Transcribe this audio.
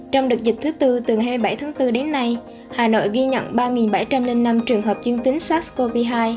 trong đợt dịch thứ tư từ hai mươi bảy tháng bốn đến nay hà nội ghi nhận ba bảy trăm linh năm trường hợp dương tính sars cov hai